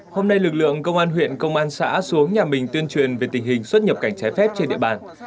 hôm nay lực lượng công an huyện công an xã xuống nhà mình tuyên truyền về tình hình xuất nhập cảnh trái phép trên địa bàn